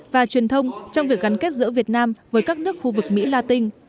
và truyền thông trong việc gắn kết giữa việt nam với các nước khu vực mỹ la tinh